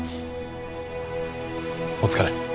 お疲れ。